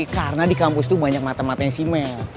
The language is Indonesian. karena di kampus tuh banyak mata mata yang simel